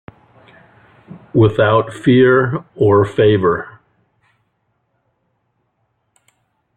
Without fear or favour.